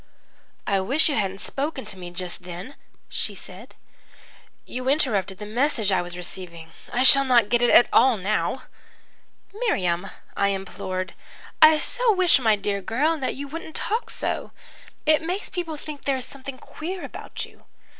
"'I wish you hadn't spoken to me just then,' she said. 'You interrupted the message I was receiving. I shall not get it at all now.' "'Miriam,' I implored. 'I so wish my dear girl, that you wouldn't talk so. It makes people think there is something queer about you.